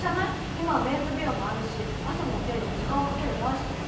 今はメンズ美容もあるし朝のお手入れに時間をかける男子もいる。